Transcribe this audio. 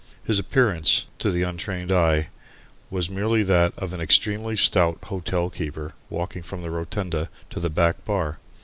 His appearance, to the untrained eye, was merely that of an extremely stout hotelkeeper walking from the rotunda to the back bar.